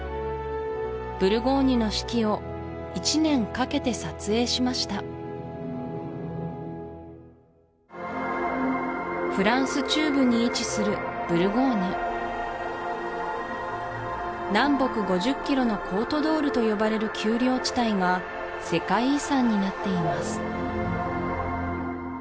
ブルゴーニュの四季を１年かけて撮影しましたフランス中部に位置するブルゴーニュ南北５０ｋｍのコート・ドールと呼ばれる丘陵地帯が世界遺産になっています